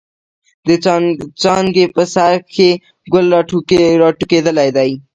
د څانګې په سر کښې ګل را ټوكېدلے دے۔